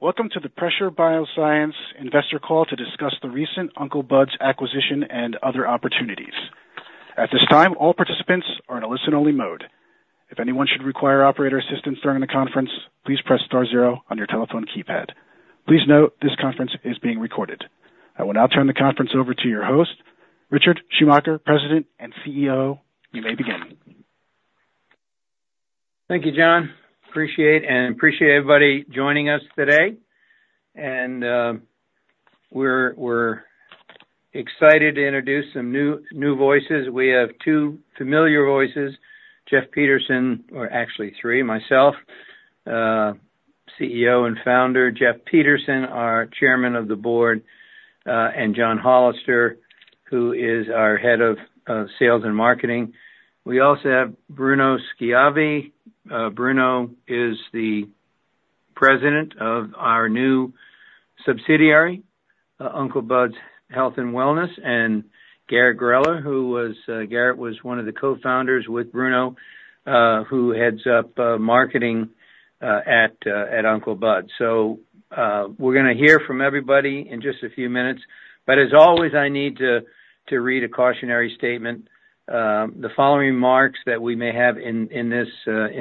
Welcome to the Pressure BioSciences Investor Call to discuss the recent Uncle Bud’s acquisition and other opportunities. At this time, all participants are in a listen-only mode. If anyone should require operator assistance during the conference, please press star zero on your telephone keypad. Please note, this conference is being recorded. I will now turn the conference over to your host, Richard Schumacher, President and CEO. You may begin. Thank you, John. Appreciate, and appreciate everybody joining us today. We're excited to introduce some new voices. We have two familiar voices, Jeff Peterson or actually three, myself, CEO and Founder, Jeff Peterson, our Chairman of the Board, and John Hollister, who is our Head of Sales and Marketing. We also have Bruno Schiavi. Bruno is the President of our new subsidiary, Uncle Bud's Health and Wellness, and Garrett Greller, Garrett was one of the co-founders with Bruno, who heads up marketing at Uncle Bud's. We're gonna hear from everybody in just a few minutes, but as always, I need to read a cautionary statement. The following remarks that we may have in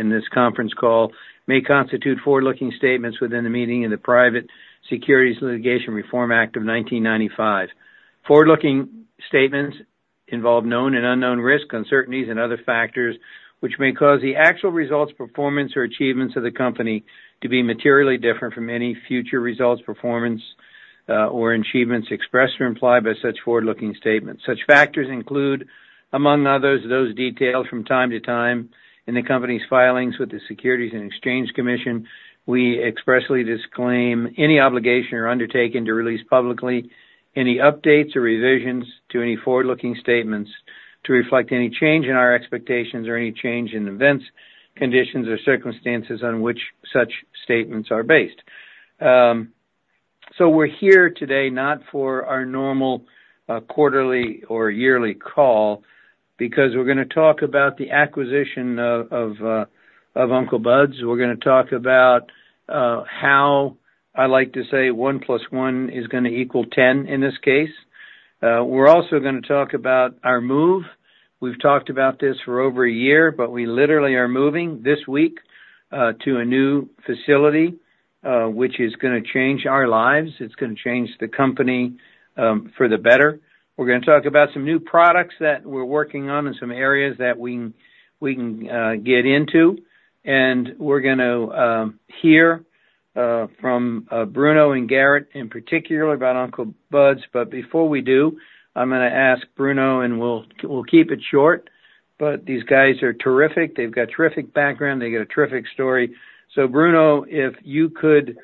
this conference call may constitute forward-looking statements within the meaning of the Private Securities Litigation Reform Act of 1995. Forward-looking statements involve known and unknown risks, uncertainties, and other factors, which may cause the actual results, performance, or achievements of the company to be materially different from any future results, performance, or achievements expressed or implied by such forward-looking statements. Such factors include, among others, those detailed from time to time in the company's filings with the Securities and Exchange Commission. We expressly disclaim any obligation or undertaking to release publicly any updates or revisions to any forward-looking statements to reflect any change in our expectations or any change in events, conditions, or circumstances on which such statements are based. So we're here today not for our normal quarterly or yearly call, because we're gonna talk about the acquisition of Uncle Bud's. We're gonna talk about how I like to say 1 + 1 is gonna equal 10 in this case. We're also gonna talk about our move. We've talked about this for over a year, but we literally are moving this week to a new facility, which is gonna change our lives. It's gonna change the company for the better. We're gonna talk about some new products that we're working on and some areas that we can get into. We're gonna hear from Bruno and Garrett, in particular, about Uncle Bud's. But before we do, I'm gonna ask Bruno, and we'll keep it short, but these guys are terrific. They've got terrific background. They've got a terrific story. So Bruno, if you could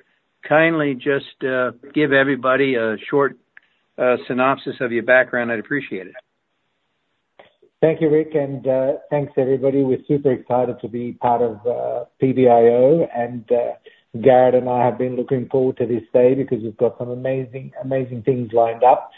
kindly just, give everybody a short, synopsis of your background, I'd appreciate it. Thank you, Ric, and thanks, everybody. We're super excited to be part of PBIO, and Garrett and I have been looking forward to this day because we've got some amazing, amazing things lined up.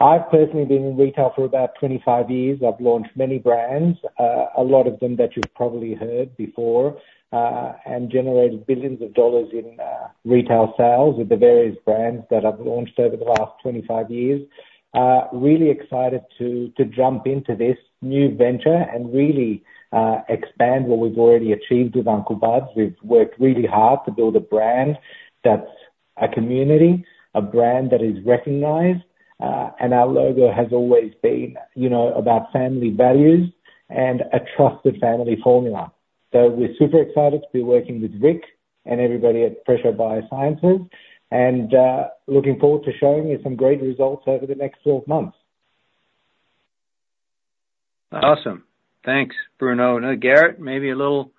I've personally been in retail for about 25 years. I've launched many brands, a lot of them that you've probably heard before, and generated billions of dollars in retail sales with the various brands that I've launched over the last 25 years. Really excited to jump into this new venture and really expand what we've already achieved with Uncle Bud's. We've worked really hard to build a brand that's a community, a brand that is recognized, and our logo has always been, you know, about family values and a trusted family formula. So we're super excited to be working with Ric and everybody at Pressure BioSciences, and, looking forward to showing you some great results over the next 12 months. Awesome. Thanks, Bruno. Now, Garrett, maybe a little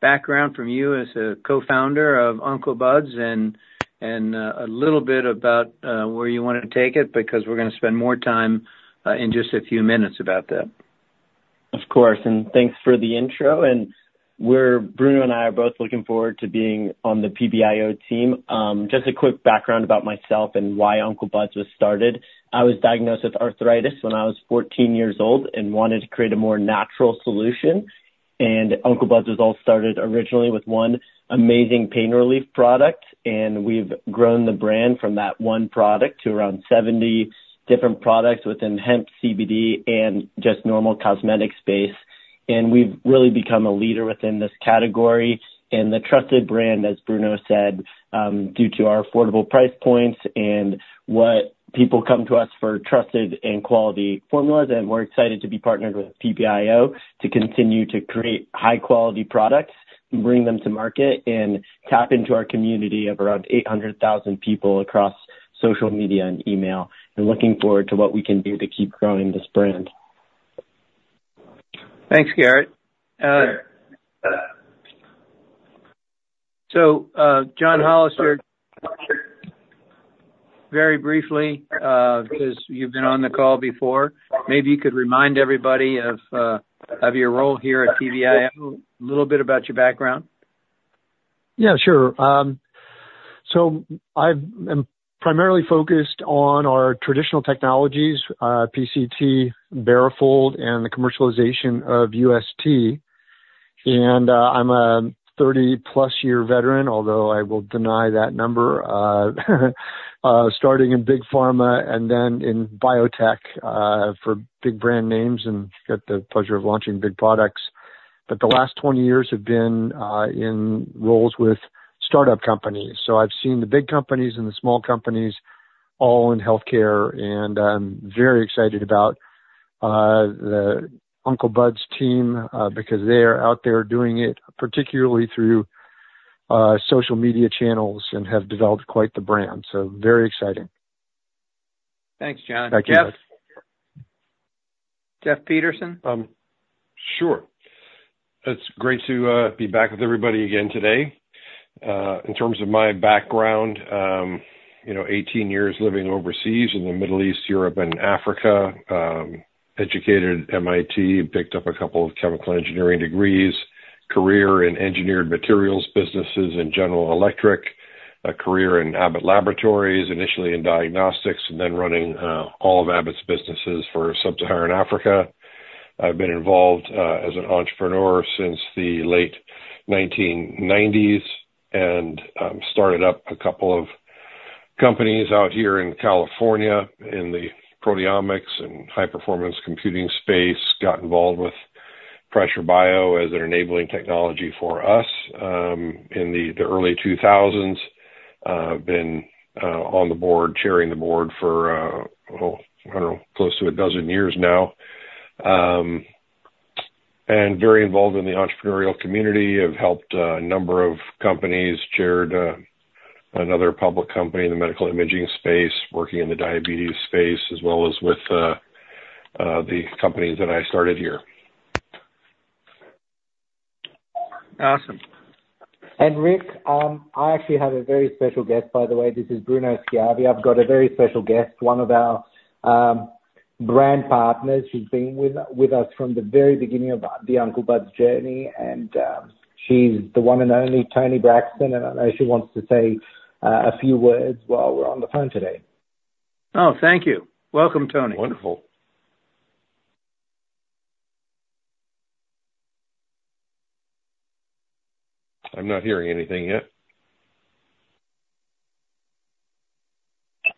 background from you as a co-founder of Uncle Bud's and a little bit about where you wanna take it, because we're gonna spend more time in just a few minutes about that. Of course, and thanks for the intro, and we're Bruno and I are both looking forward to being on the PBIO team. Just a quick background about myself and why Uncle Bud's was started. I was diagnosed with arthritis when I was 14 years old and wanted to create a more natural solution, and Uncle Bud's was all started originally with one amazing pain relief product, and we've grown the brand from that one product to around 70 different products within hemp, CBD, and just normal cosmetic space. We've really become a leader within this category and the trusted brand, as Bruno said, due to our affordable price points and what people come to us for trusted and quality formulas. We're excited to be partnered with PBIO to continue to create high-quality products and bring them to market, and tap into our community of around 800,000 people across social media and email. We're looking forward to what we can do to keep growing this brand. Thanks, Garrett. So, John Hollister, very briefly, because you've been on the call before, maybe you could remind everybody of your role here at PBIO, a little bit about your background. Yeah, sure. So I'm primarily focused on our traditional technologies, PCT, BaroFold, and the commercialization of UST. I'm a 30-plus year veteran, although I will deny that number. Starting in big pharma and then in biotech, for big brand names, and got the pleasure of launching big products. But the last 20 years have been in roles with startup companies. I've seen the big companies and the small companies all in healthcare, and I'm very excited about the Uncle Bud's team, because they are out there doing it, particularly through social media channels, and have developed quite the brand. Very exciting. Thanks, John. Thank you. Jeff? Jeff Peterson. Sure. It's great to be back with everybody again today. In terms of my background, you know, 18 years living overseas in the Middle East, Europe and Africa. Educated at MIT, picked up a couple of chemical engineering degrees, career in engineered materials, businesses in General Electric, a career in Abbott Laboratories, initially in diagnostics and then running all of Abbott's businesses for Sub-Saharan Africa. I've been involved as an entrepreneur since the late 1990s and started up a couple of companies out here in California in the proteomics and high-performance computing space. Got involved with Pressure BioSciences as an enabling technology for us in the early 2000s. Been on the Board, chairing the Board for, I don't know, close to 12 years now. And very involved in the entrepreneurial community. I've helped a number of companies, chaired another public company in the medical imaging space, working in the diabetes space, as well as with the companies that I started here. Awesome. And Ric, I actually have a very special guest, by the way. This is Bruno Schiavi. I've got a very special guest, one of our brand partners. She's been with us from the very beginning of the Uncle Bud's journey, and she's the one and only Toni Braxton. And I know she wants to say a few words while we're on the phone today. Oh, thank you. Welcome, Toni. Wonderful. I'm not hearing anything yet.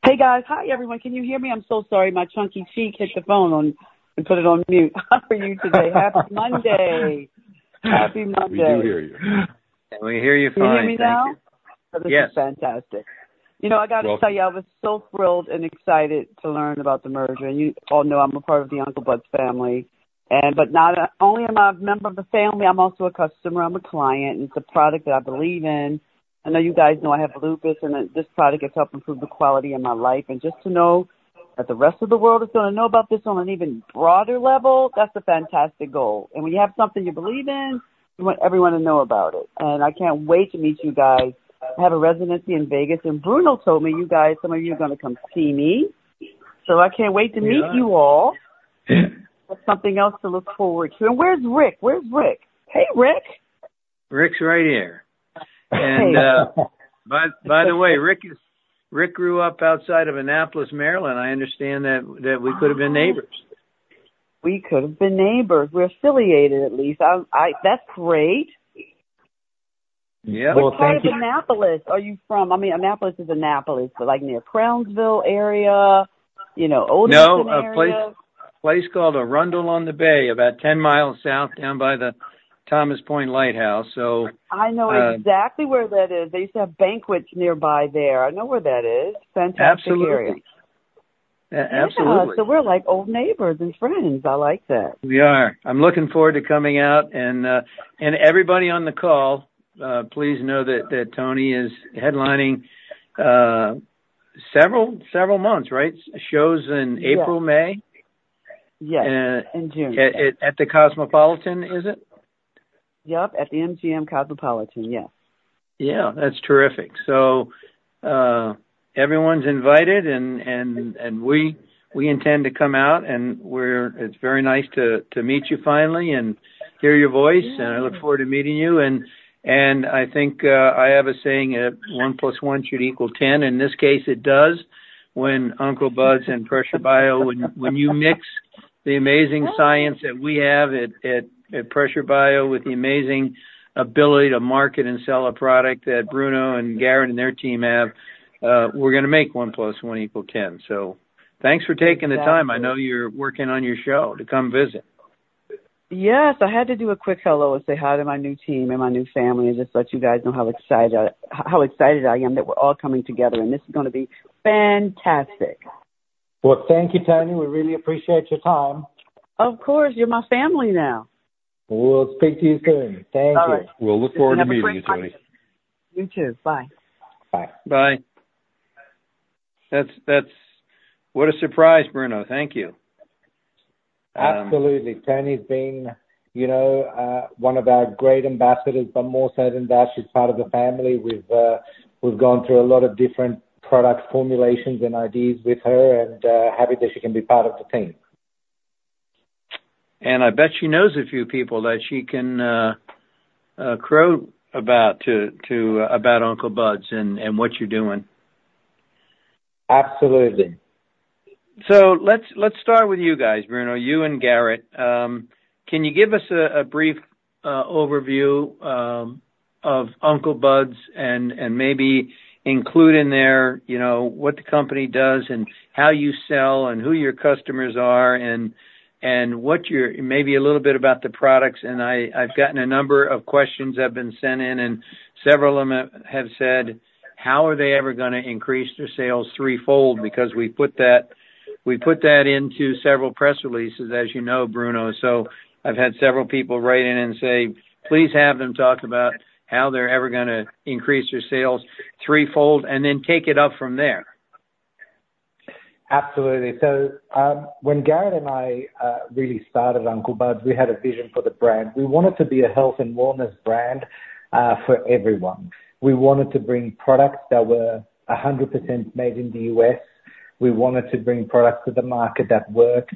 Hey, guys. Hi, everyone. Can you hear me? I'm so sorry. My chunky cheek hit the phone on, and put it on mute for you today. Happy Monday. Happy Monday. We do hear you. We hear you fine. Can you hear me now? Yes. This is fantastic. You know, I got to tell you, I was so thrilled and excited to learn about the merger. You all know I'm a part of the Uncle Bud's family. But not only am I a member of the family, I'm also a customer. I'm a client, and it's a product that I believe in. I know you guys know I have lupus, and that this product has helped improve the quality of my life. Just to know that the rest of the world is going to know about this on an even broader level, that's a fantastic goal. When you have something you believe in, you want everyone to know about it. I can't wait to meet you guys. I have a residency in Vegas, and Bruno told me you guys, some of you are going to come see me, so I can't wait to meet you all. That's something else to look forward to. Where's Ric? Where's Ric? Hey, Ric. Ric's right here. Hey. By the way, Ric grew up outside of Annapolis, Maryland. I understand that we could have been neighbors. We could have been neighbors. We're affiliated, at least. That's great! Yeah. Well, thank you. Which part of Annapolis are you from? I mean, Annapolis is Annapolis, but like near Crownsville area, you know, Old Town area. No, a place, a place called Arundel on the Bay, about 10 miles south, down by the Thomas Point Lighthouse. I know exactly where that is. They used to have banquets nearby there. I know where that is. Central area. Absolutely. Absolutely. We're like old neighbors and friends. I like that. We are. I'm looking forward to coming out and everybody on the call, please know that Toni is headlining several months, right? Yes. Shows in April, May? Yes, and June. At the Cosmopolitan, is it? Yep. At the MGM Cosmopolitan, yes. Yeah, that's terrific. So, everyone's invited, and we intend to come out, and we're. It's very nice to meet you finally and hear your voice. And I look forward to meeting you. And I think, I have a saying, 1 + 1 should equal 10. In this case, it does. When Uncle Bud's and Pressure BioSciences, when you mix the amazing science that we have at Pressure Bio, with the amazing ability to market and sell a product that Bruno and Garrett and their team have, we're going to make 1 + 1 = 10. Thanks for taking the time, I know you're working on your show, to come visit. Yes, I had to do a quick hello and say hi to my new team and my new family, and just let you guys know how excited, how excited I am that we're all coming together. This is gonna be fantastic. Well, thank you, Toni. We really appreciate your time. Of course. You're my family now. We'll speak to you soon. Thank you. All right. We'll look forward to meeting you, Toni. You too. Bye. Bye. Bye. What a surprise, Bruno. Thank you. Absolutely. Toni's been, you know, one of our great ambassadors, but more so than that, she's part of the family. We've gone through a lot of different product formulations and ideas with her, and happy that she can be part of the team. And I bet she knows a few people that she can crow about Uncle Bud's and what you're doing. Absolutely. So let's start with you guys, Bruno, you and Garrett. Can you give us a brief overview of Uncle Bud's and maybe include in there, you know, what the company does, and how you sell, and who your customers are, and what your, maybe a little bit about the products. And I've gotten a number of questions that have been sent in, and several of them have said: "How are they ever gonna increase their sales threefold?" Because we put that into several press releases, as you know, Bruno. So I've had several people write in and say, "Please have them talk about how they're ever gonna increase their sales threefold," and then take it up from there. Absolutely. So, when Garrett and I really started Uncle Bud's, we had a vision for the brand. We wanted to be a health and wellness brand for everyone. We wanted to bring products that were 100% made in the U.S. We wanted to bring products to the market that worked.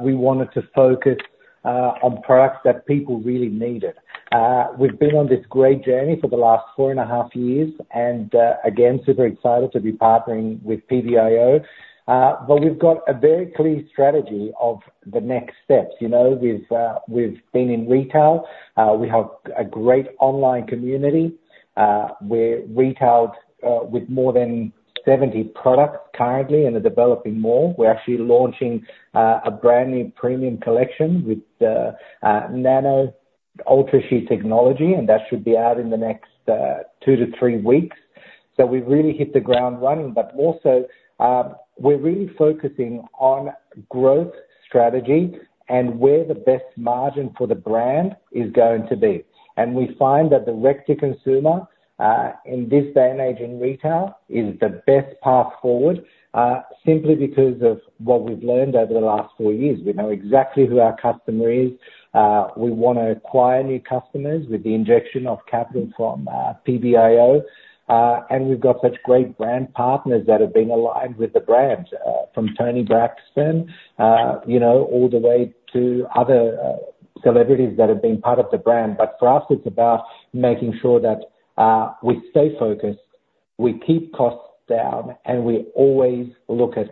We wanted to focus on products that people really needed. We've been on this great journey for the last four and a half years, and again, super excited to be partnering with PBIO. But we've got a very clear strategy of the next steps. You know, we've been in retail. We have a great online community. We're retailed with more than 70 products currently, and are developing more. We're actually launching a brand new premium collection with the nano UltraShear Technology, and that should be out in the next two to three weeks. So we've really hit the ground running, but also, we're really focusing on growth strategy and where the best margin for the brand is going to be. And we find that the direct-to-consumer in this day and age in retail is the best path forward simply because of what we've learned over the last four years. We know exactly who our customer is. We want to acquire new customers with the injection of capital from PBIO. And we've got such great brand partners that have been aligned with the brand from Toni Braxton, you know, all the way to other celebrities that have been part of the brand. But for us, it's about making sure that we stay focused, we keep costs down, and we always look at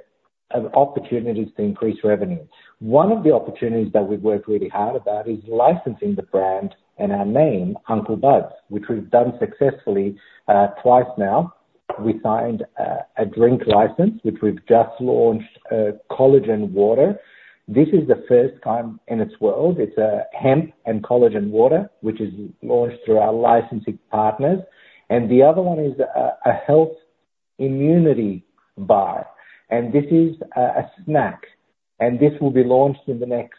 opportunities to increase revenue. One of the opportunities that we've worked really hard about is licensing the brand and our name, Uncle Bud's, which we've done successfully twice now. We signed a drink license, which we've just launched, collagen water. This is the first time in its world. It's a hemp and collagen water, which is launched through our licensing partners. And the other one is a health immunity bar, and this is a snack, and this will be launched in the next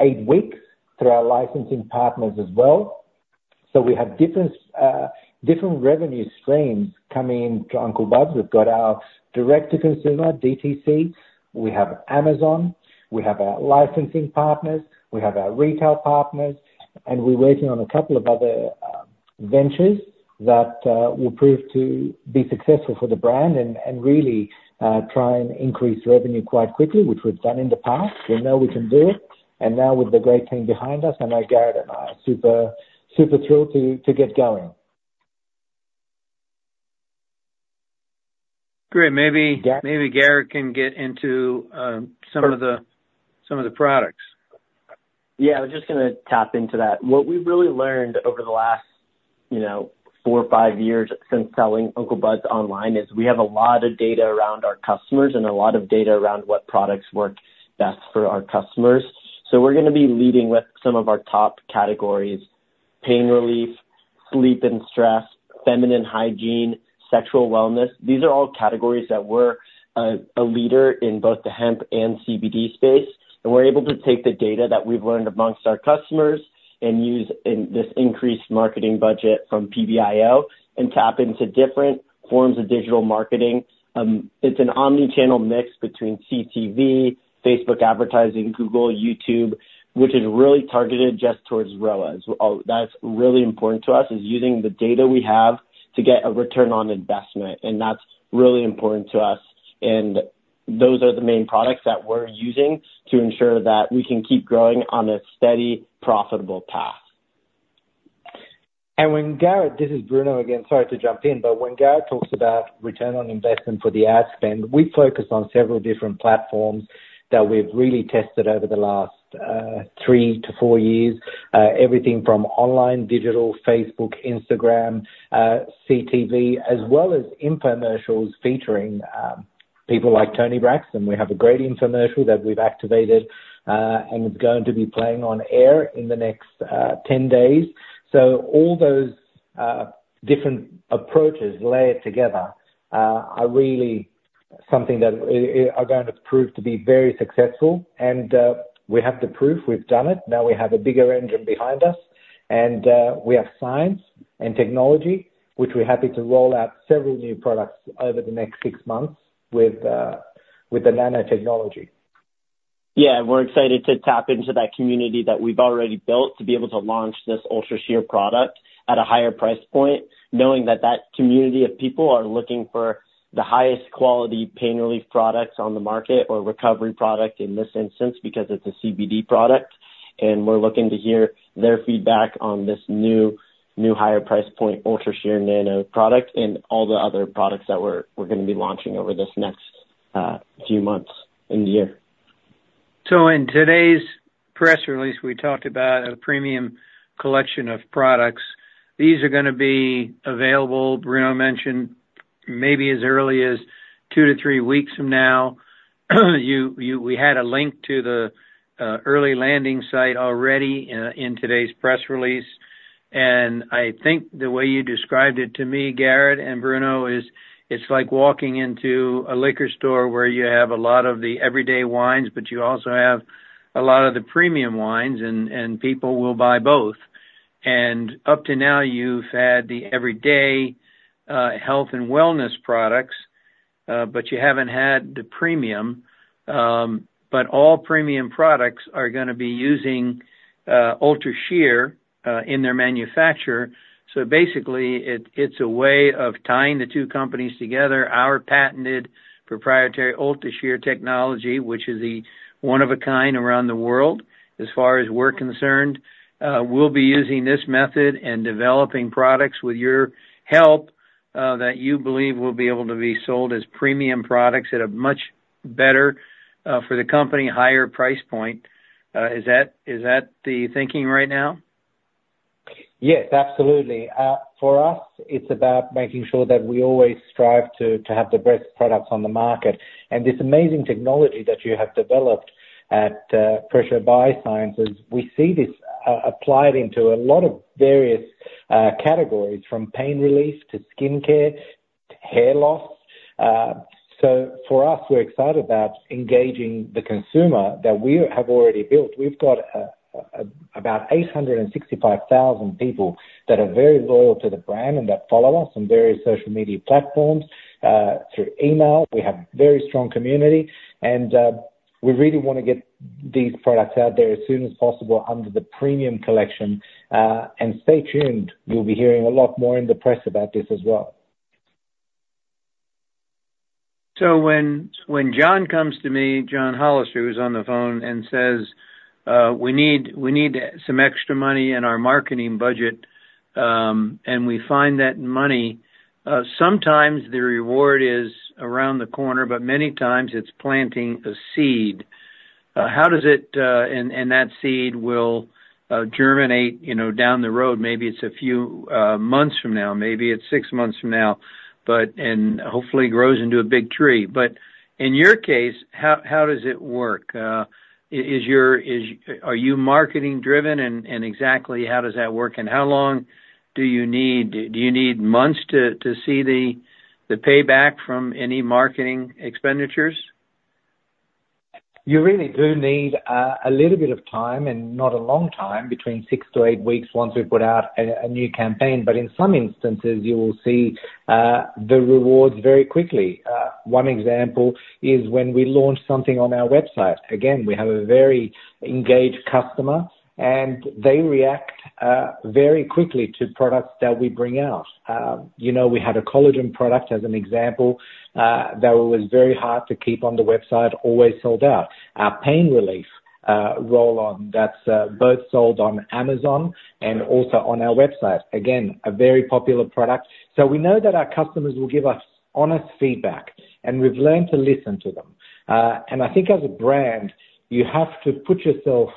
eight weeks through our licensing partners as well. So we have different revenue streams coming in to Uncle Bud's. We've got our direct-to-consumer, DTC, we have Amazon, we have our licensing partners, we have our retail partners, and we're working on a couple of other ventures that will prove to be successful for the brand and really try and increase revenue quite quickly, which we've done in the past. We know we can do it. And now with the great team behind us, I know Garrett and I are super, super thrilled to get going. Great. Maybe, maybe Garrett can get into some of the, some of the products. Yeah, I was just gonna tap into that. What we've really learned over the last, you know, four or five years since selling Uncle Bud's online, is we have a lot of data around our customers and a lot of data around what products work best for our customers. So we're gonna be leading with some of our top categories: pain relief, sleep and stress, feminine hygiene, sexual wellness. These are all categories that we're a leader in both the hemp and CBD space, and we're able to take the data that we've learned amongst our customers and use in this increased marketing budget from PBIO and tap into different forms of digital marketing. It's an omnichannel mix between CTV, Facebook advertising, Google, YouTube, which is really targeted just towards ROAS. That's really important to us, is using the data we have to get a return on investment, and that's really important to us. Those are the main products that we're using to ensure that we can keep growing on a steady, profitable path. And when Garrett. This is Bruno again, sorry to jump in. But when Garrett talks about return on investment for the ad spend, we focus on several different platforms that we've really tested over the last three to four years. Everything from online, digital, Facebook, Instagram, CTV, as well as infomercials featuring people like Toni Braxton. We have a great infomercial that we've activated, and it's going to be playing on air in the next 10 days. So all those different approaches layered together are really something that are going to prove to be very successful. And we have the proof. We've done it. Now we have a bigger engine behind us, and we have science and technology, which we're happy to roll out several new products over the next six months with the nanotechnology. Yeah, and we're excited to tap into that community that we've already built to be able to launch this UltraShear product at a higher price point, knowing that that community of people are looking for the highest quality pain relief products on the market, or recovery product in this instance, because it's a CBD product and we're looking to hear their feedback on this new higher price point, UltraShear nano product and all the other products that we're gonna be launching over this next few months in the year. So in today's press release, we talked about a premium collection of products. These are gonna be available, Bruno mentioned, maybe as early as two to three weeks from now. You, we had a link to the early landing site already in today's press release, and I think the way you described it to me, Garrett and Bruno, is it's like walking into a liquor store where you have a lot of the everyday wines, but you also have a lot of the premium wines, and people will buy both. Up to now, you've had the everyday health and wellness products, but you haven't had the premium. But all premium products are gonna be using UltraShear in their manufacture. So basically, it's a way of tying the two companies together. Our patented proprietary UltraShear Technology, which is the one-of-a-kind around the world, as far as we're concerned, we'll be using this method and developing products with your help, that you believe will be able to be sold as premium products at a much better, for the company, higher price point. Is that the thinking right now? Yes, absolutely. For us, it's about making sure that we always strive to have the best products on the market. And this amazing technology that you have developed at Pressure BioSciences, we see this applied into a lot of various categories, from pain relief to skincare, to hair loss. So for us, we're excited about engaging the consumer that we have already built. We've got about 865,000 people that are very loyal to the brand and that follow us on various social media platforms through email. We have very strong community, and we really wanna get these products out there as soon as possible under the premium collection. And stay tuned, you'll be hearing a lot more in the press about this as well. So when John comes to me, John Hollister, who's on the phone, and says, "We need some extra money in our marketing budget," and we find that money, sometimes the reward is around the corner, but many times it's planting a seed. How does it and that seed will germinate, you know, down the road. Maybe it's a few months from now, maybe it's six months from now, but and hopefully grows into a big tree. But in your case, how does it work? Is your are you marketing driven and exactly how does that work, and how long do you need? Do you need months to see the payback from any marketing expenditures? You really do need a little bit of time and not a long time, between six to eight weeks once we've put out a new campaign. But in some instances, you will see the rewards very quickly. One example is when we launch something on our website, again, we have a very engaged customer, and they react very quickly to products that we bring out. You know, we had a collagen product, as an example, that was very hard to keep on the website, always sold out. Our pain relief roll-on, that's both sold on Amazon and also on our website. Again, a very popular product. So we know that our customers will give us honest feedback, and we've learned to listen to them. And I think as a brand, you have to put yourself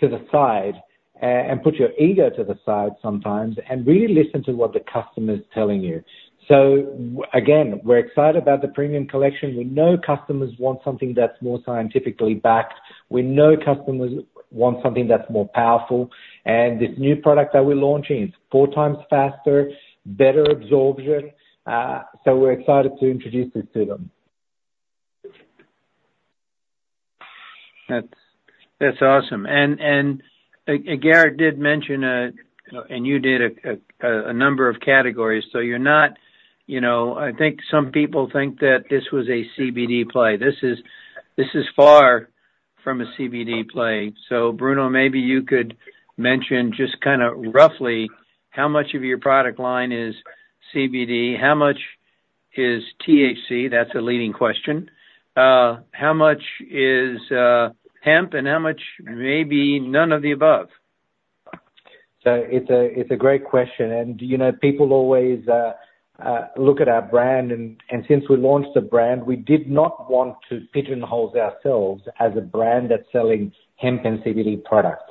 to the side, and put your ego to the side sometimes, and really listen to what the customer is telling you. So again, we're excited about the premium collection. We know customers want something that's more scientifically backed. We know customers want something that's more powerful, and this new product that we're launching is four times faster, better absorption, so we're excited to introduce this to them. That's, that's awesome. And Garrett did mention, and you did a number of categories, so you're not, you know I think some people think that this was a CBD play. This is, this is far from a CBD play. So Bruno, maybe you could mention just kind of roughly, how much of your product line is CBD? How much is THC? That's a leading question. How much is hemp, and how much maybe none of the above? So it's a great question, and you know, people always look at our brand, and since we launched the brand, we did not want to pigeonhole ourselves as a brand that's selling hemp and CBD products.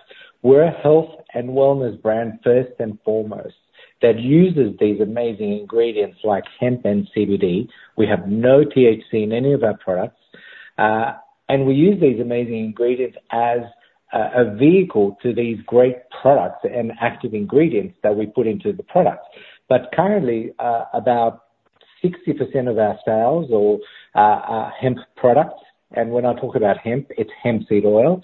We're a health and wellness brand, first and foremost, that uses these amazing ingredients like hemp and CBD. We have no THC in any of our products, and we use these amazing ingredients as a vehicle to these great products and active ingredients that we put into the products. But currently, about 60% of our sales are hemp products, and when I talk about hemp, it's hemp seed oil,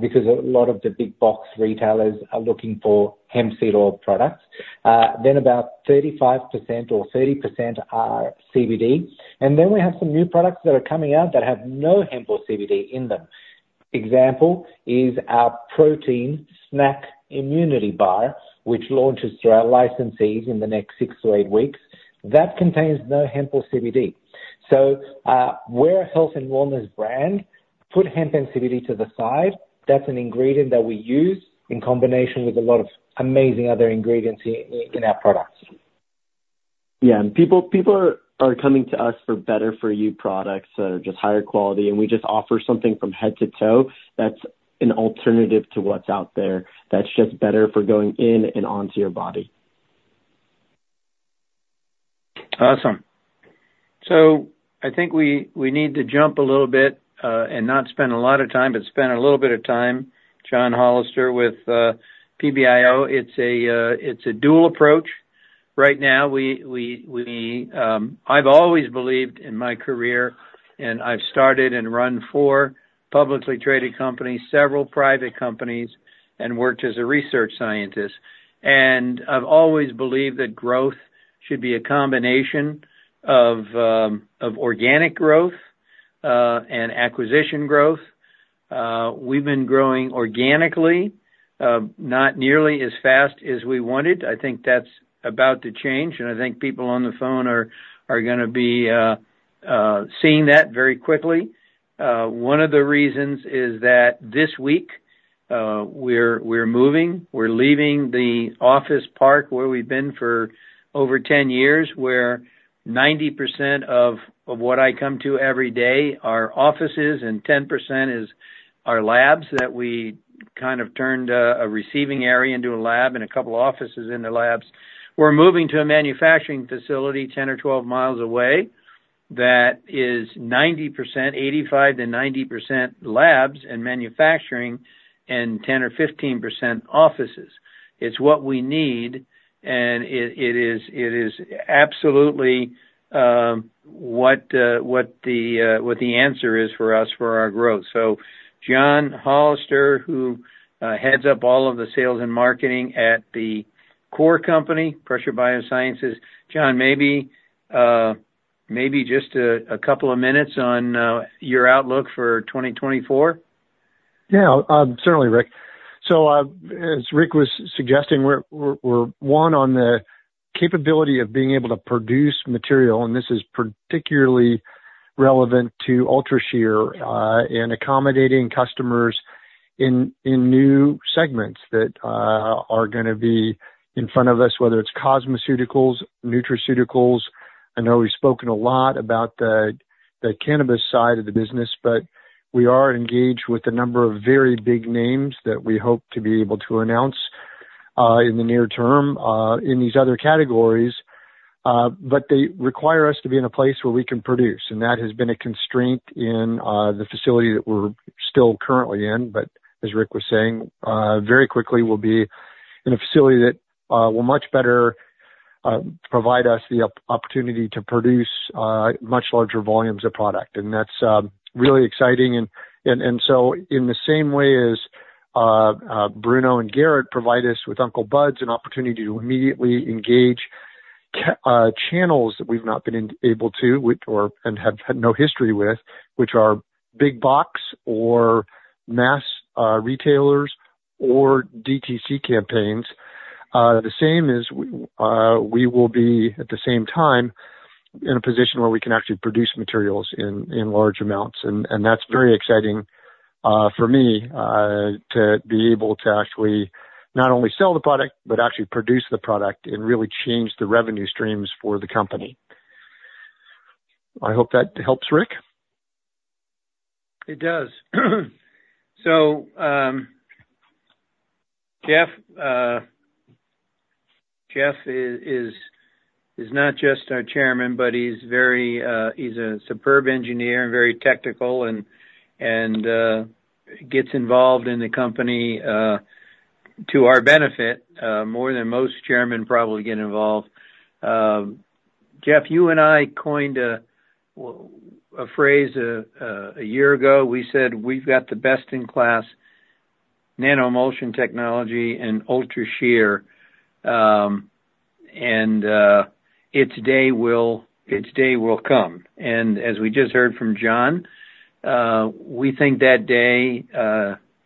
because a lot of the big box retailers are looking for hemp seed oil products. Then about 35% or 30% are CBD, and then we have some new products that are coming out that have no hemp or CBD in them. Example is our protein snack immunity bar, which launches through our licensees in the next six to eight weeks. That contains no hemp or CBD. So, we're a health and wellness brand. Put hemp sensitivity to the side. That's an ingredient that we use in combination with a lot of amazing other ingredients in our products. Yeah, and people are coming to us for better-for-you products that are just higher quality, and we just offer something from head to toe that's an alternative to what's out there, that's just better for going in and onto your body. Awesome. So I think we need to jump a little bit and not spend a lot of time, but spend a little bit of time, John Hollister, with PBIO. It's a dual approach. Right now, I've always believed in my career, and I've started and run four publicly traded companies, several private companies, and worked as a research scientist. I've always believed that growth should be a combination of organic growth and acquisition growth. We've been growing organically, not nearly as fast as we wanted. I think that's about to change, and I think people on the phone are gonna be seeing that very quickly. One of the reasons is that this week, we're moving. We're leaving the office park where we've been for over 10 years, where 90% of what I come to every day are offices, and 10% is our labs, that we kind of turned a receiving area into a lab and a couple offices in the labs. We're moving to a manufacturing facility 10 or 12 miles away that is 90%, 85%-90% labs and manufacturing and 10%-15% offices. It's what we need, and it is absolutely what the answer is for us for our growth. So John Hollister, who heads up all of the sales and marketing at the core company, Pressure BioSciences. John, maybe just a couple of minutes on your outlook for 2024. Yeah. Certainly, Ric. So, as Ric was suggesting, we're one on the capability of being able to produce material, and this is particularly relevant to UltraShear, and accommodating customers in new segments that are gonna be in front of us, whether it's cosmeceuticals, nutraceuticals. I know we've spoken a lot about the cannabis side of the business, but we are engaged with a number of very big names that we hope to be able to announce in the near term in these other categories. But they require us to be in a place where we can produce, and that has been a constraint in the facility that we're still currently in. But as Ric was saying, very quickly, we'll be in a facility that will much better provide us the opportunity to produce much larger volumes of product. And that's really exciting. And so in the same way as Bruno and Garrett provide us with Uncle Bud’s, an opportunity to immediately engage channels that we've not been able to, with, or, and have had no history with, which are big box or mass retailers or DTC campaigns. The same is, we will be, at the same time, in a position where we can actually produce materials in large amounts. And that's very exciting for me to be able to actually not only sell the product, but actually produce the product and really change the revenue streams for the company. I hope that helps, Ric. It does. So, Jeff is not just our chairman, but he's very superb engineer and very technical and gets involved in the company to our benefit more than most chairman probably get involved. Jeff, you and I coined a phrase a year ago. We said we've got the best-in-class nano-emulsion technology and UltraShear, and its day will come. And as we just heard from John, we think that day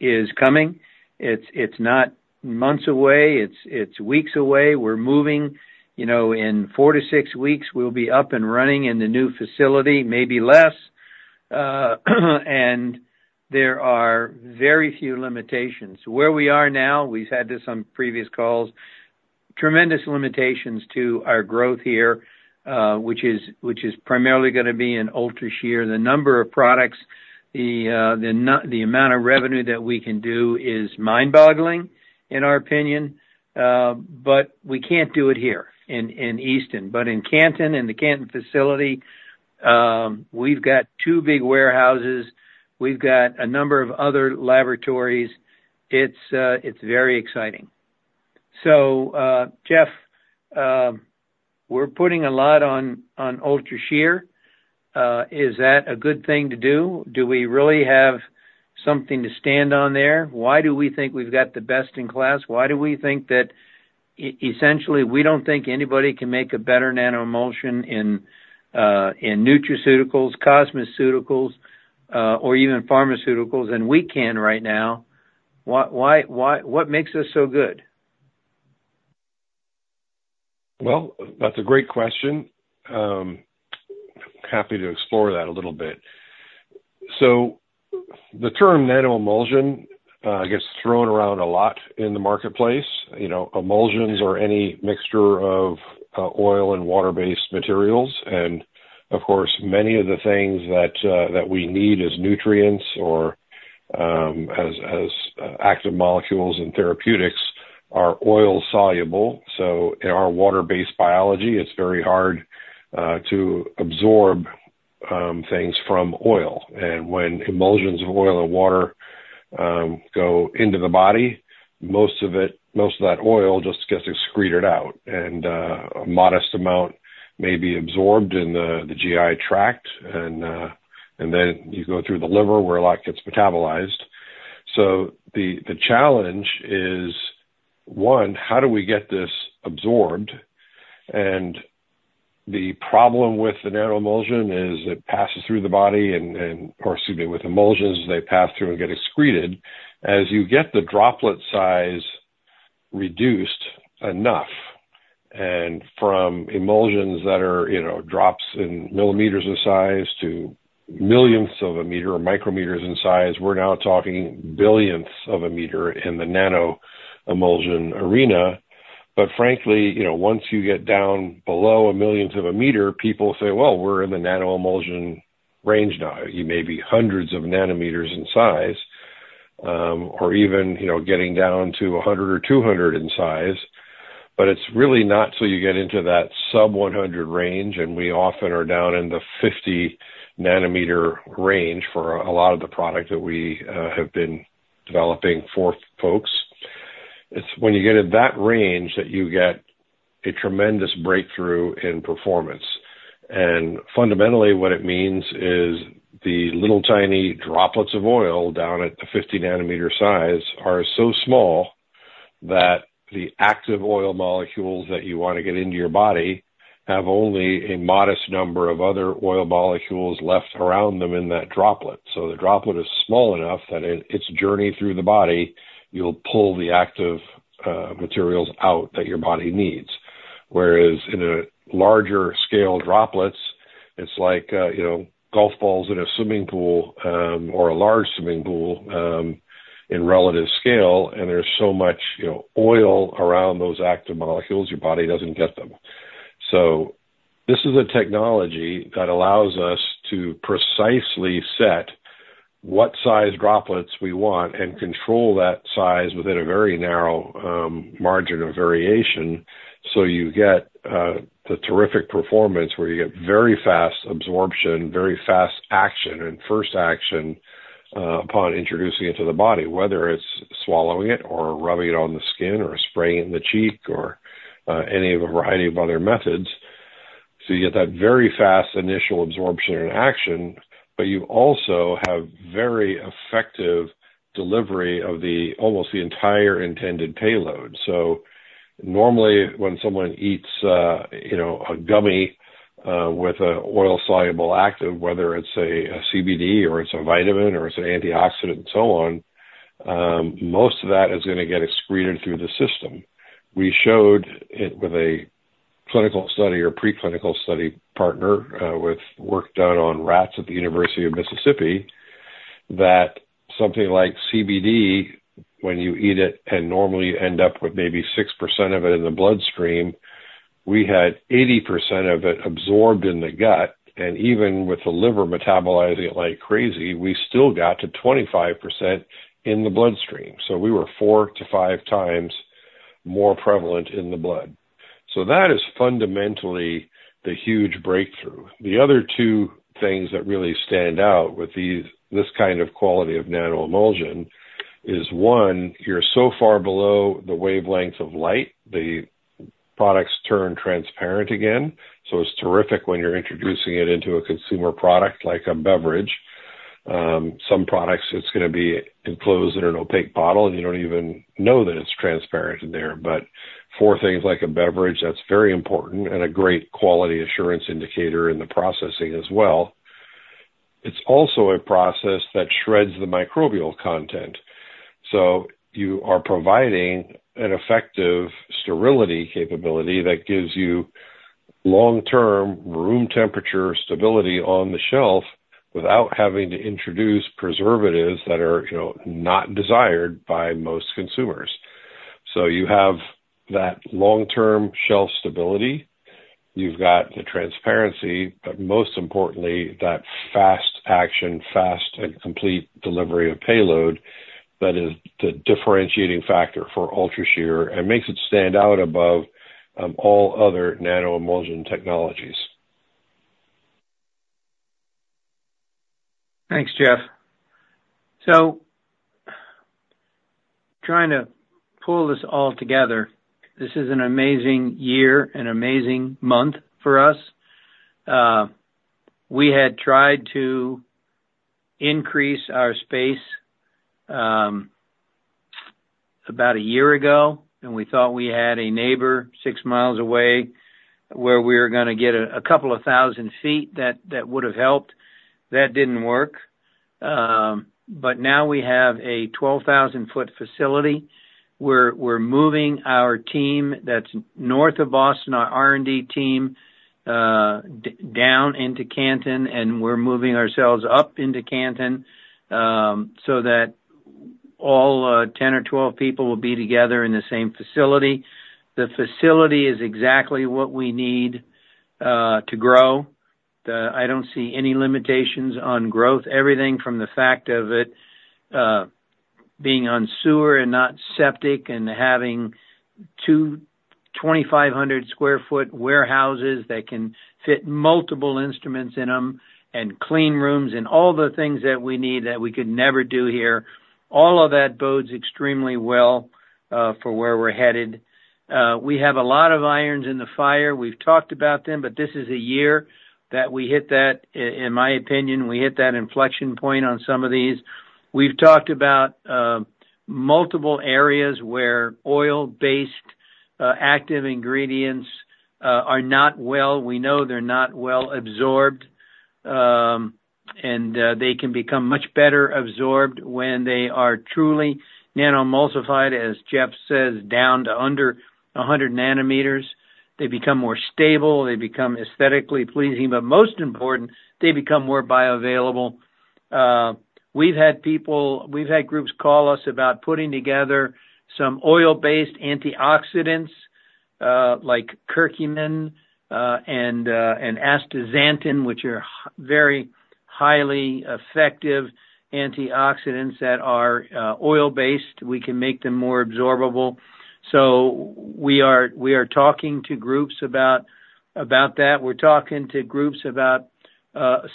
is coming. It's not months away, it's weeks away. We're moving, you know, in four to six weeks, we'll be up and running in the new facility, maybe less. And there are very few limitations. Where we are now, we've said this on previous calls. Tremendous limitations to our growth here, which is primarily gonna be in UltraShear. The number of products, the amount of revenue that we can do is mind-boggling, in our opinion. But we can't do it here in Easton. But in Canton, in the Canton facility, we've got two big warehouses. We've got a number of other laboratories. It's very exciting. So, Jeff, we're putting a lot on UltraShear. Is that a good thing to do? Do we really have something to stand on there? Why do we think we've got the best in class? Why do we think that essentially we don't think anybody can make a better nano-emulsion in nutraceuticals, cosmeceuticals, or even pharmaceuticals than we can right now. Why? What makes us so good? Well, that's a great question. Happy to explore that a little bit. So the term nano-emulsion gets thrown around a lot in the marketplace. You know, emulsions are any mixture of oil and water-based materials, and of course, many of the things that we need as nutrients or as active molecules in therapeutics are oil soluble. So in our water-based biology, it's very hard to absorb things from oil. And when emulsions of oil and water go into the body, most of it, most of that oil just gets excreted out, and a modest amount may be absorbed in the GI tract. And then you go through the liver, where a lot gets metabolized. So the challenge is, one, how do we get this absorbed? The problem with the nano-emulsion is it passes through the body and, or excuse me, with emulsions, they pass through and get excreted. As you get the droplet size reduced enough, and from emulsions that are, you know, drops in millimeters of size to millionths of a meter or micrometers in size, we're now talking billionths of a meter in the nano-emulsion arena. But frankly, you know, once you get down below a millionth of a meter, people say, "Well, we're in the nano-emulsion range now." You may be hundreds of nanometers in size, or even, you know, getting down to 100 or 200 in size, but it's really not till you get into that sub-100 range, and we often are down in the 50-nanometer range for a lot of the product that we have been developing for folks. It's when you get in that range that you get a tremendous breakthrough in performance. And fundamentally, what it means is the little tiny droplets of oil down at the 50 nanometer size are so small that the active oil molecules that you want to get into your body have only a modest number of other oil molecules left around them in that droplet. So the droplet is small enough that in its journey through the body, you'll pull the active materials out that your body needs. Whereas in a larger scale droplets, it's like, you know, golf balls in a swimming pool, or a large swimming pool, in relative scale, and there's so much, you know, oil around those active molecules, your body doesn't get them. This is a technology that allows us to precisely set what size droplets we want and control that size within a very narrow margin of variation. So you get the terrific performance where you get very fast absorption, very fast action, and first action upon introducing it to the body, whether it's swallowing it or rubbing it on the skin, or spraying it in the cheek, or any of a variety of other methods. So you get that very fast initial absorption and action, but you also have very effective delivery of the almost the entire intended payload. So normally, when someone eats, you know, a gummy with an oil-soluble active, whether it's a CBD or it's a vitamin or it's an antioxidant and so on, most of that is gonna get excreted through the system. We showed it with a clinical study or preclinical study partner, with work done on rats at the University of Mississippi, that something like CBD, when you eat it and normally end up with maybe 6% of it in the bloodstream, we had 80% of it absorbed in the gut. And even with the liver metabolizing it like crazy, we still got to 25% in the bloodstream. So we were four to five times more prevalent in the blood. So that is fundamentally the huge breakthrough. The other two things that really stand out with these, this kind of quality of nano-emulsion is, one, you're so far below the wavelength of light, the products turn transparent again. So it's terrific when you're introducing it into a consumer product, like a beverage. Some products, it's gonna be enclosed in an opaque bottle, and you don't even know that it's transparent in there. But for things like a beverage, that's very important and a great quality assurance indicator in the processing as well. It's also a process that shreds the microbial content, so you are providing an effective sterility capability that gives you long-term room temperature stability on the shelf without having to introduce preservatives that are, you know, not desired by most consumers. So you have that long-term shelf stability, you've got the transparency, but most importantly, that fast action, fast and complete delivery of payload, that is the differentiating factor for UltraShear and makes it stand out above, all other nano-emulsion technologies. Thanks, Jeff. So trying to pull this all together, this is an amazing year and amazing month for us. We had tried to increase our space about a year ago, and we thought we had a neighbor six miles away where we were gonna get a couple of 1,000 feet that would have helped. That didn't work. But now we have a 12,000-foot facility, where we're moving our team that's north of Boston, our R&D team, down into Canton, and we're moving ourselves up into Canton, so that all 10 or 12 people will be together in the same facility. The facility is exactly what we need to grow. I don't see any limitations on growth. Everything from the fact of it being on sewer and not septic, and having two 2,500 sq ft warehouses that can fit multiple instruments in them, and clean rooms, and all the things that we need that we could never do here. All of that bodes extremely well for where we're headed. We have a lot of irons in the fire. We've talked about them, but this is a year that we hit that, in my opinion, we hit that inflection point on some of these. We've talked about multiple areas where oil-based active ingredients are not well. We know they're not well-absorbed. And they can become much better absorbed when they are truly nano-emulsified, as Jeff says, down to under 100 nanometers. They become more stable, they become aesthetically pleasing, but most important, they become more bioavailable. We've had people. We've had groups call us about putting together some oil-based antioxidants, like curcumin, and astaxanthin, which are very highly effective antioxidants that are oil-based. We can make them more absorbable. So we are talking to groups about that. We're talking to groups about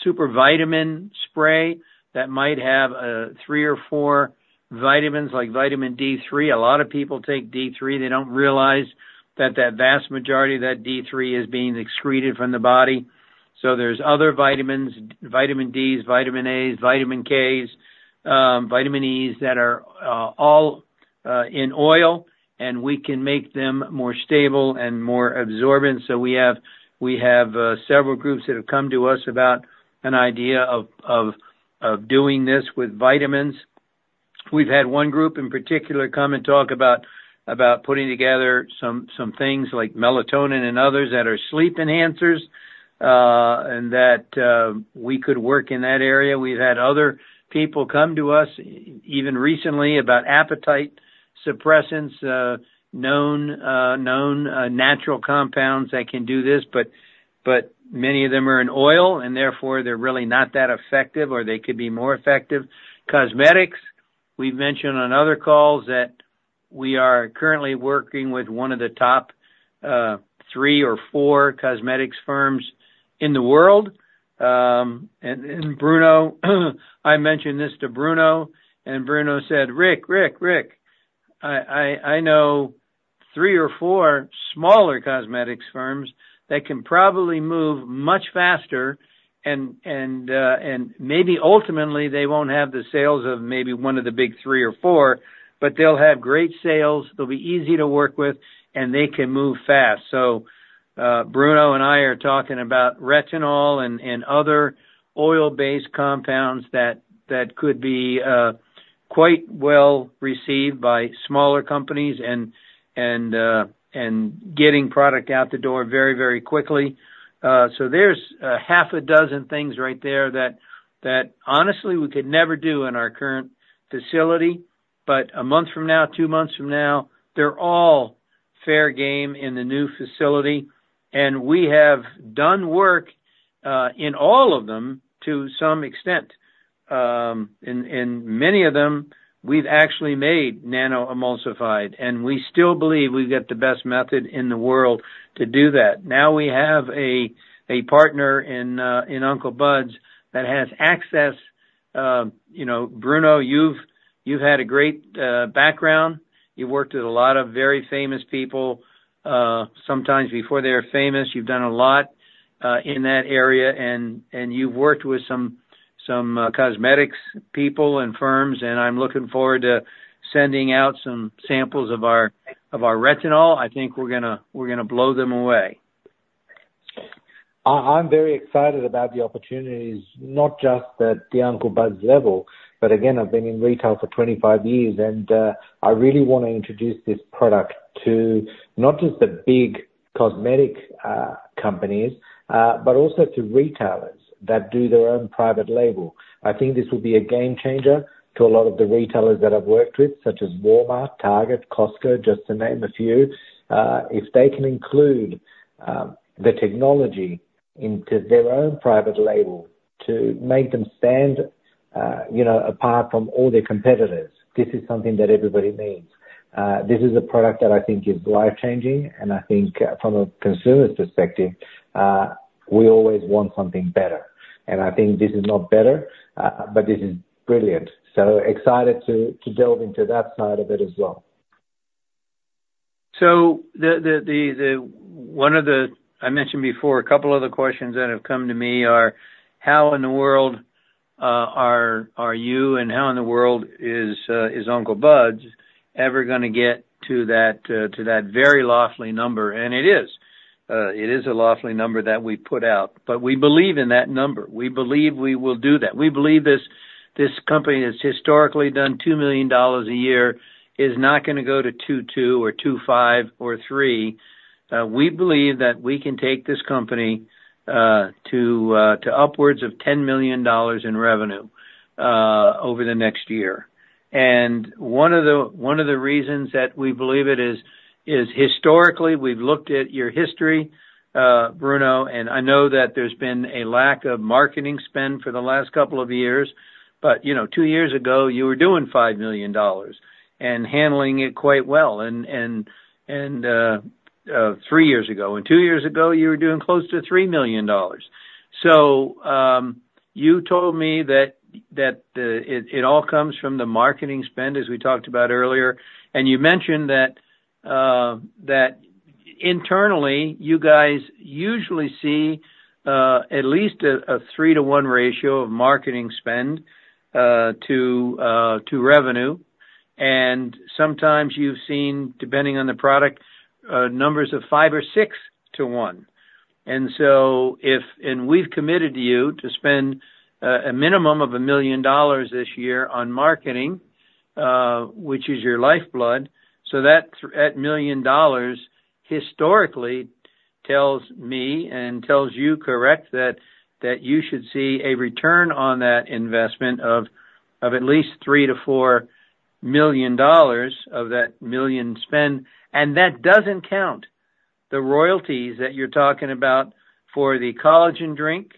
super vitamin spray that might have three or four vitamins, like vitamin D3. A lot of people take D3. They don't realize that vast majority of that D3 is being excreted from the body. So there's other vitamins, vitamin Ds, vitamin As, vitamin Ks, vitamin Es, that are all in oil, and we can make them more stable and more absorbent. So we have several groups that have come to us about an idea of doing this with vitamins. We've had one group in particular come and talk about putting together some things like melatonin and others that are sleep enhancers, and that we could work in that area. We've had other people come to us, even recently, about appetite suppressants, known natural compounds that can do this, but many of them are in oil, and therefore, they're really not that effective or they could be more effective. Cosmetics, we've mentioned on other calls that we are currently working with one of the top three or four cosmetics firms in the world. Bruno, I mentioned this to Bruno, and Bruno said, "Ric, Ric, Ric, I know three or four smaller cosmetics firms that can probably move much faster, and maybe ultimately they won't have the sales of maybe one of the big three or four, but they'll have great sales, they'll be easy to work with, and they can move fast." So, Bruno and I are talking about retinol and other oil-based compounds that could be quite well received by smaller companies, and getting product out the door very, very quickly. So there's half a dozen things right there that honestly, we could never do in our current facility, but a month from now, two months from now, they're all fair game in the new facility, and we have done work in all of them to some extent. And many of them, we've actually made nano-emulsified, and we still believe we've got the best method in the world to do that. Now, we have a partner in Uncle Bud's that has access, you know, Bruno, you've had a great background. You've worked with a lot of very famous people, sometimes before they were famous. You've done a lot in that area, and you've worked with some cosmetics people and firms, and I'm looking forward to sending out some samples of our retinol. I think we're gonna, we're gonna blow them away. I'm very excited about the opportunities, not just at the Uncle Bud's level, but again, I've been in retail for 25 years, and I really want to introduce this product to not just the big cosmetic companies, but also to retailers that do their own private label. I think this will be a game changer to a lot of the retailers that I've worked with, such as Walmart, Target, Costco, just to name a few. If they can include the technology into their own private label to make them stand, you know, apart from all their competitors, this is something that everybody needs. This is a product that I think is life-changing, and I think, from a consumer's perspective, we always want something better. And I think this is not better, but this is brilliant. So excited to delve into that side of it as well. So one of the questions that I mentioned before that have come to me are, how in the world are you and how in the world is Uncle Bud's ever gonna get to that very lofty number? And it is a lofty number that we put out, but we believe in that number. We believe we will do that. We believe this company has historically done $2 million a year, is not gonna go to $2.2 million or $2.5 million or $3 million. We believe that we can take this company to upwards of $10 million in revenue over the next year. And one of the reasons that we believe it is, historically, we've looked at your history, Bruno, and I know that there's been a lack of marketing spend for the last couple of years, but you know, two years ago, you were doing $5 million and handling it quite well. Three years ago and two years ago, you were doing close to $3 million. So you told me that it all comes from the marketing spend, as we talked about earlier. And you mentioned that internally, you guys usually see at least a 3:1 ratio of marketing spend to revenue, and sometimes you've seen, depending on the product, numbers of 5 or 6 to 1. We've committed to you to spend a minimum of $1 million this year on marketing, which is your lifeblood, so that that $1 million historically tells me and tells you, correct, that you should see a return on that investment of at least $3 million-$4 million of that $1 million spend. And that doesn't count the royalties that you're talking about for the collagen drink.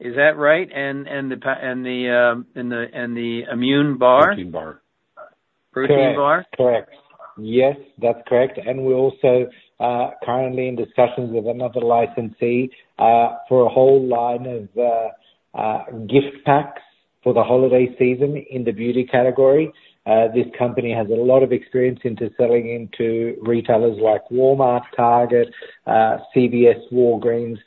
Is that right? And the immune bar? Protein bar. Protein bar. Correct. Yes, that's correct. We're also currently in discussions with another licensee for a whole line of gift packs for the holiday season in the beauty category. This company has a lot of experience into selling into retailers like Walmart, Target, CVS, Walgreens,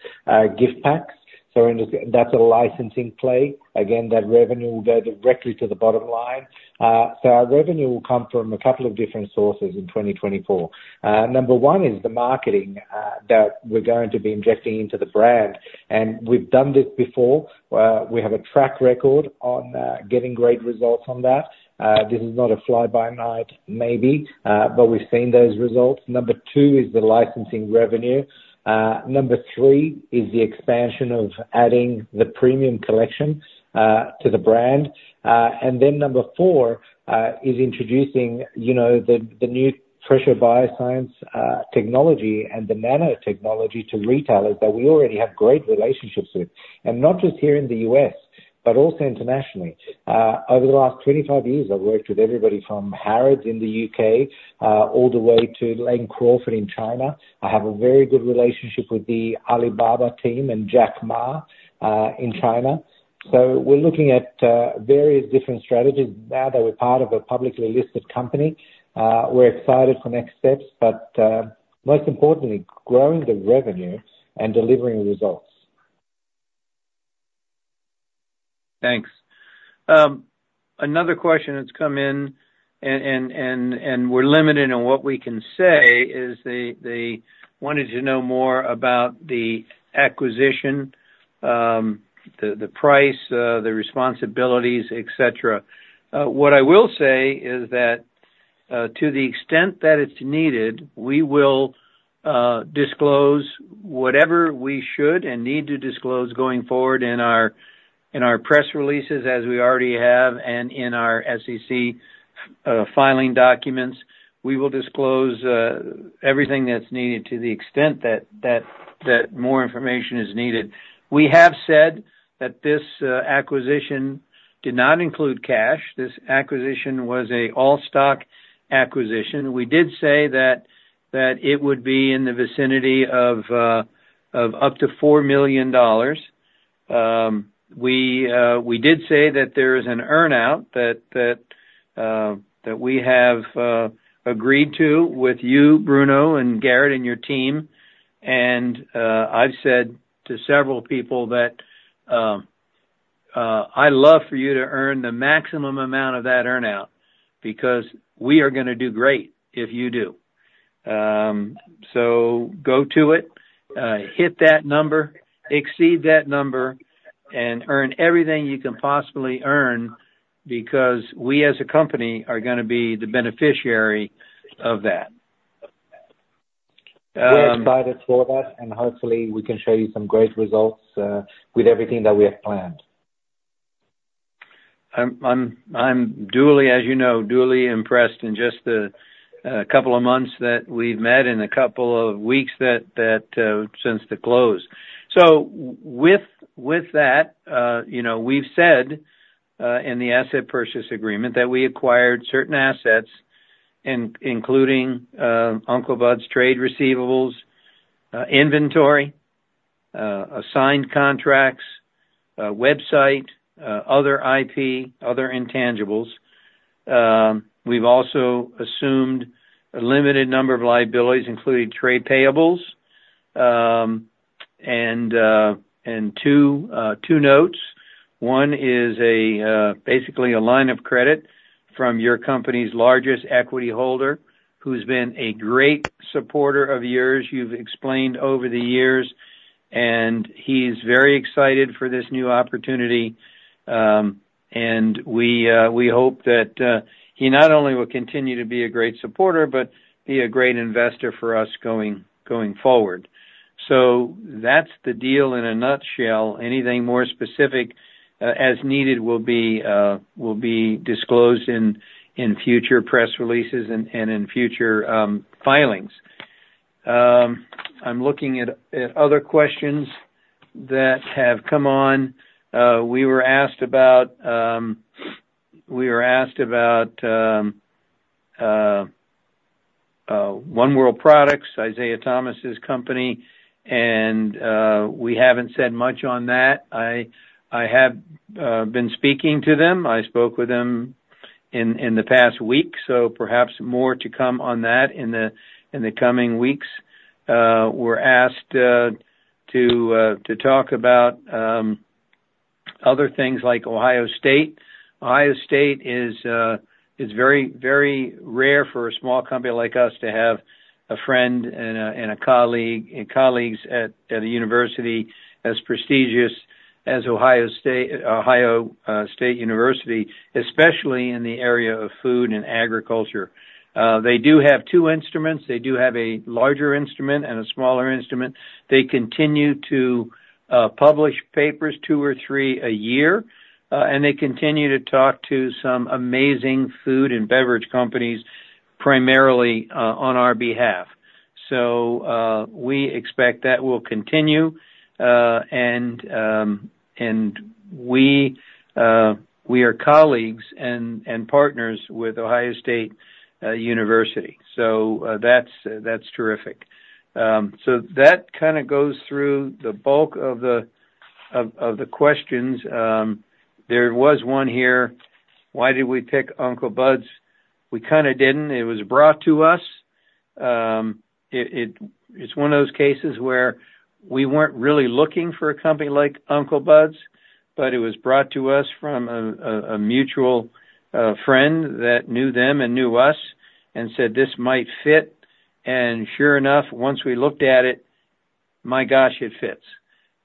gift packs. So in this, that's a licensing play. Again, that revenue will go directly to the bottom line. So our revenue will come from a couple of different sources in 2024. Number one is the marketing that we're going to be injecting into the brand, and we've done this before. We have a track record on getting great results on that. This is not a fly by night, maybe, but we've seen those results. Number two is the licensing revenue. Number three is the expansion of adding the premium collection to the brand. Then number four is introducing, you know, the new Pressure BioSciences technology and the nanotechnology to retailers that we already have great relationships with, and not just here in the U.S., but also internationally. Over the last 25 years, I've worked with everybody from Harrods in the U.K., all the way to Lane Crawford in China. I have a very good relationship with the Alibaba team and Jack Ma in China. So we're looking at various different strategies now that we're part of a publicly listed company. We're excited for next steps, but most importantly, growing the revenue and delivering results. Thanks. Another question that's come in and we're limited on what we can say is they wanted to know more about the acquisition, the price, the responsibilities, et cetera. What I will say is that to the extent that it's needed, we will disclose whatever we should and need to disclose going forward in our press releases, as we already have, and in our SEC filing documents. We will disclose everything that's needed to the extent that more information is needed. We have said that this acquisition did not include cash. This acquisition was an all-stock acquisition. We did say that it would be in the vicinity of up to $4 million. We did say that there is an earn-out that we have agreed to with you, Bruno, and Garrett, and your team. I've said to several people that I love for you to earn the maximum amount of that earn-out, because we are gonna do great if you do. So go to it, hit that number, exceed that number, and earn everything you can possibly earn, because we, as a company, are gonna be the beneficiary of that. We're excited for that, and hopefully, we can show you some great results, with everything that we have planned. I'm duly, as you know, duly impressed in just the couple of months that we've met and a couple of weeks that since the close. So with that, you know, we've said in the asset purchase agreement that we acquired certain assets, including Uncle Bud's trade receivables, inventory, assigned contracts, website, other IP, other intangibles. We've also assumed a limited number of liabilities, including trade payables. And two notes. One is basically a line of credit from your company's largest equity holder, who's been a great supporter of yours, you've explained over the years, and he's very excited for this new opportunity. And we hope that he not only will continue to be a great supporter, but be a great investor for us going forward. So that's the deal in a nutshell. Anything more specific as needed will be disclosed in future press releases and in future filings. I'm looking at other questions that have come on. We were asked about One World Products, Isiah Thomas' company, and we haven't said much on that. I have been speaking to them. I spoke with them in the past week, so perhaps more to come on that in the coming weeks. We're asked to talk about other things like Ohio State. It's very rare for a small company like us to have a friend and a colleague and colleagues at a university as prestigious as Ohio State University, especially in the area of food and agriculture. They do have two instruments. They do have a larger instrument and a smaller instrument. They continue to publish papers two or three a year, and they continue to talk to some amazing food and beverage companies, primarily on our behalf. So, we expect that will continue. And we are colleagues and partners with Ohio State University, so that's terrific. So that kind of goes through the bulk of the questions. There was one here: Why did we pick Uncle Bud's? We kind of didn't. It was brought to us. It's one of those cases where we weren't really looking for a company like Uncle Bud's, but it was brought to us from a mutual friend that knew them and knew us and said, "This might fit." And sure enough, once we looked at it, my gosh, it fits,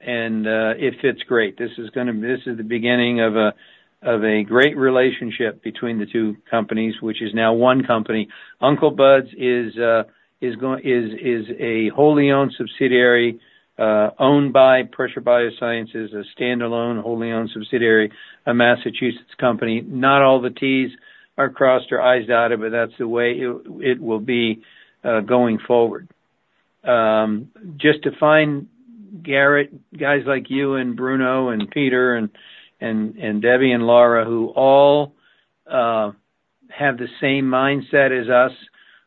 and it fits great. This is the beginning of a great relationship between the two companies, which is now one company. Uncle Bud's is a wholly owned subsidiary owned by Pressure BioSciences, a standalone, wholly owned subsidiary, a Massachusetts company. Not all the T's are crossed or I's dotted, but that's the way it will be going forward. Just to find Garrett, guys like you and Bruno and Peter and Debbie and Laura, who all have the same mindset as us,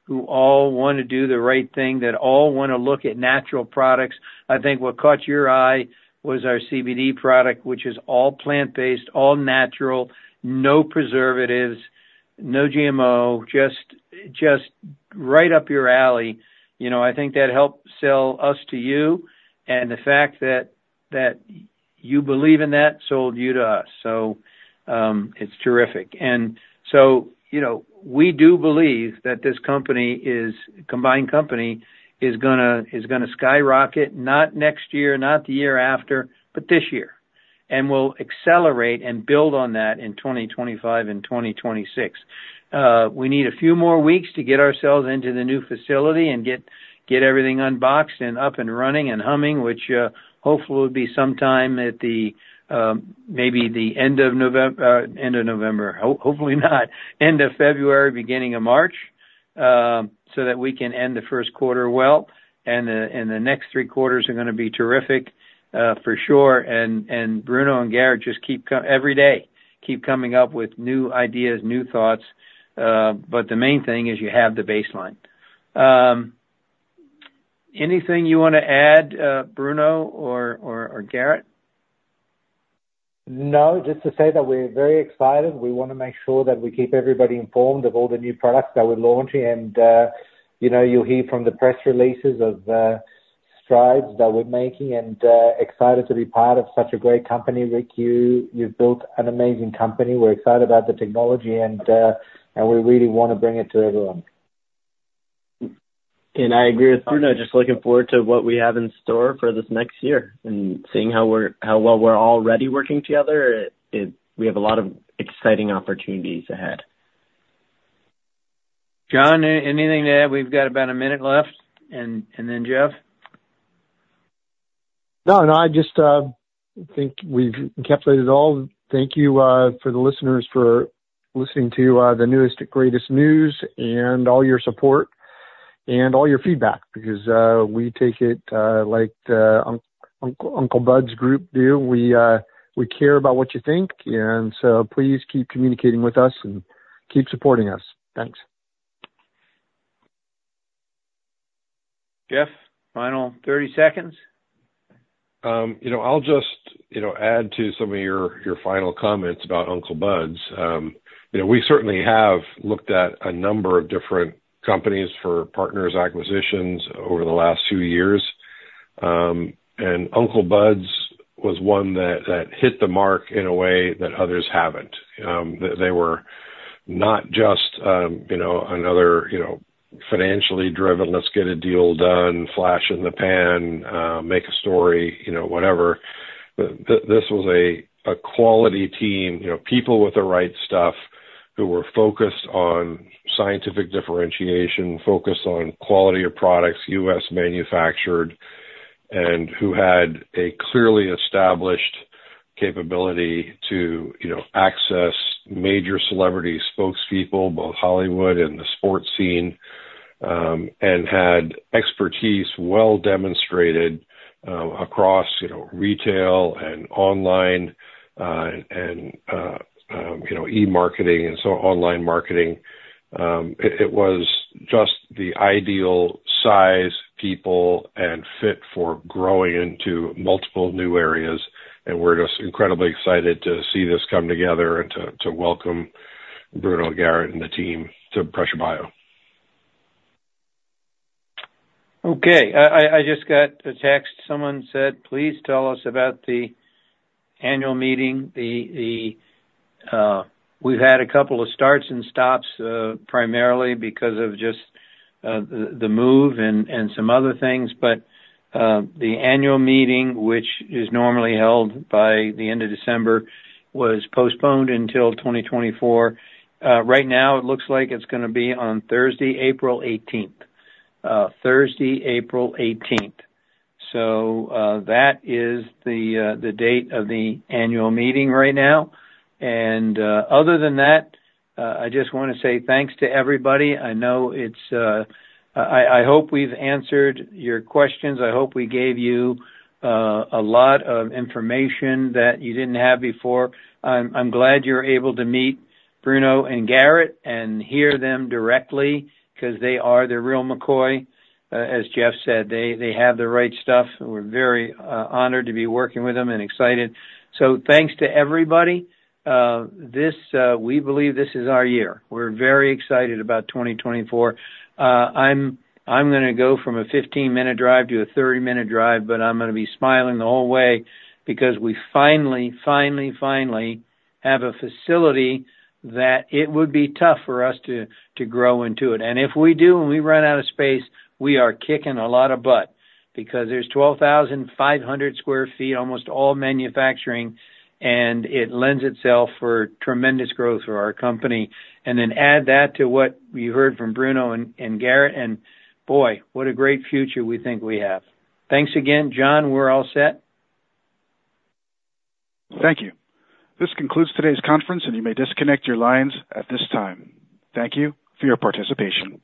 who all wanna do the right thing, that all wanna look at natural products. I think what caught your eye was our CBD product, which is all plant-based, all-natural, no preservatives, no GMO, just right up your alley. You know, I think that helped sell us to you, and the fact that you believe in that sold you to us. So, it's terrific. So, you know, we do believe that this company, combined company, is gonna skyrocket, not next year, not the year after, but this year. We'll accelerate and build on that in 2025 and 2026. We need a few more weeks to get ourselves into the new facility and get everything unboxed and up and running and humming, which hopefully will be sometime, maybe the end of November. Hopefully not. End of February, beginning of March, so that we can end the first quarter well, and the next three quarters are gonna be terrific, for sure. Bruno and Garrett just keep every day coming up with new ideas, new thoughts, but the main thing is you have the baseline. Anything you wanna add, Bruno or Garrett? No, just to say that we're very excited. We wanna make sure that we keep everybody informed of all the new products that we're launching. And, you know, you'll hear from the press releases of the strides that we're making and excited to be part of such a great company. Ric, you've built an amazing company. We're excited about the technology, and we really wanna bring it to everyone. I agree with Bruno. Just looking forward to what we have in store for this next year and seeing how we're, how well we're already working together. It, we have a lot of exciting opportunities ahead. John, anything to add? We've got about a minute left, and then Jeff. No, no, I just think we've encapsulated it all. Thank you, for the listeners, for listening to, the newest and greatest news, and all your support and all your feedback, because, we take it, like, Uncle Bud's group do. We, we care about what you think, and so please keep communicating with us, and keep supporting us. Thanks. Jeff, final 30 seconds? You know, I'll just, you know, add to some of your final comments about Uncle Bud's. You know, we certainly have looked at a number of different companies for partners, acquisitions over the last few years. And Uncle Bud's was one that hit the mark in a way that others haven't. They were not just, you know, another, you know, financially driven, let's get a deal done, flash in the pan, make a story, you know, whatever. This was a quality team, you know, people with the right stuff who were focused on scientific differentiation, focused on quality of products, U.S. manufactured, and who had a clearly established capability to, you know, access major celebrity spokespeople, both Hollywood and the sports scene, and had expertise well demonstrated across, you know, retail and online, and, you know, e-marketing and so online marketing. It was just the ideal size, people, and fit for growing into multiple new areas, and we're just incredibly excited to see this come together and to welcome Bruno, Garrett, and the team to Pressure Bio. Okay. I just got a text. Someone said, "Please tell us about the annual meeting." We've had a couple of starts and stops, primarily because of just the move and some other things. But the annual meeting, which is normally held by the end of December, was postponed until 2024. Right now, it looks like it's gonna be on Thursday, April 18th. Thursday, April 18th. So that is the date of the annual meeting right now. And other than that, I just wanna say thanks to everybody. I know it's. I hope we've answered your questions. I hope we gave you a lot of information that you didn't have before. I'm glad you're able to meet Bruno and Garrett and hear them directly, 'cause they are the real McCoy. As Jeff said, they have the right stuff, and we're very honored to be working with them and excited. So thanks to everybody. We believe this is our year. We're very excited about 2024. I'm gonna go from a 15-minute drive to a 30-minute drive, but I'm gonna be smiling the whole way because we finally, finally, finally have a facility that it would be tough for us to grow into it. And if we do and we run out of space, we are kicking a lot of butt because there's 12,500 sq ft, almost all manufacturing, and it lends itself for tremendous growth for our company. And then add that to what you heard from Bruno and Garrett, and boy, what a great future we think we have. Thanks again, John. We're all set. Thank you. This concludes today's conference, and you may disconnect your lines at this time. Thank you for your participation.